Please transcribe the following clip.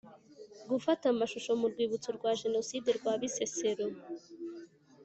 gufata amashusho mu rwibutso rwa Jenoside rwa Bisesero